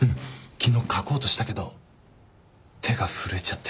昨日書こうとしたけど手が震えちゃって。